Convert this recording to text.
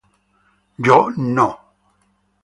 Yo no"".